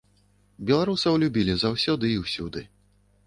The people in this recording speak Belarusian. Беларусаў любілі заўсёды і ўсюды.